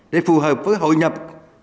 để phù hợp với hội nhập